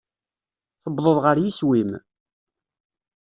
Tewwḍeḍ ɣer yiswi-m?